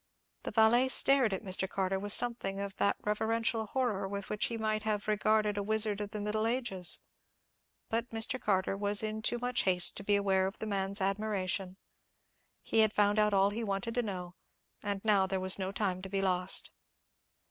The valet stared at Mr. Carter with something of that reverential horror with which he might have regarded a wizard of the middle ages. But Mr. Carter was in too much haste to be aware of the man's admiration. He had found out all he wanted to know, and now there was no time to be lost.